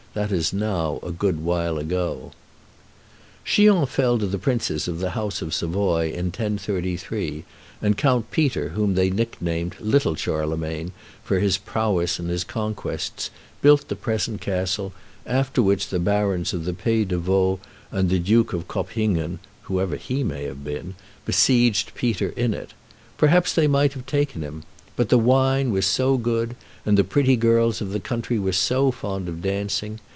That is now a good while ago. [Illustration: The Castle of Chillon] Chillon fell to the princes of the house of Savoy in 1033, and Count Peter, whom they nicknamed Little Charlemagne for his prowess and his conquests, built the present castle, after which the barons of the Pays de Vaud and the Duke of Cophingen (whoever he may have been) besieged Peter in it. Perhaps they might have taken him. But the wine was so good, and the pretty girls of the country were so fond of dancing!